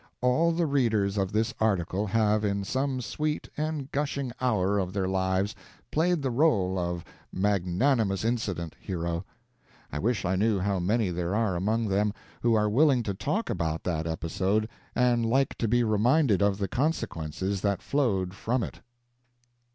All the readers of this article have in some sweet and gushing hour of their lives played the role of Magnanimous Incident hero. I wish I knew how many there are among them who are willing to talk about that episode and like to be reminded of the consequences that flowed from it.